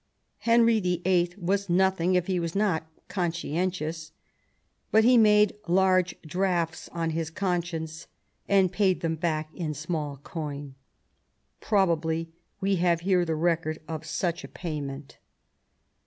Henry Vlll. was nothing if he was not conscientious ; but he made large drafts on his conscience, and paid them back in small coin. Probably we have here the record of such a payment.